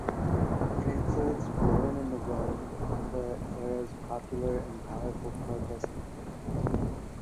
It includes "Blowin' in the Wind," the era's popular and powerful protest anthem.